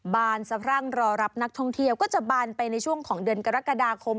บานสะพรั่งรอรับนักท่องเที่ยวก็จะบานไปในช่วงของเดือนกรกฎาคม